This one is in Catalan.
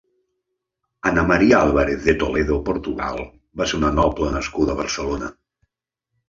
Ana María Álvarez de Toledo Portugal va ser una noble nascuda a Barcelona.